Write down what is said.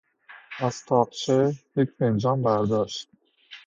از تاقچه یک فنجان برداشت.